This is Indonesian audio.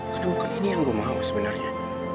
karena bukan ini yang gue mau sebenernya